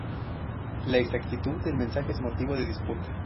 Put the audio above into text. La exactitud del mensaje es motivo de disputa.